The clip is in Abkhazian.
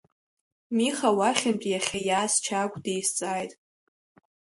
Миха уахьынтә иахьа иааз Чагә дизҵааит.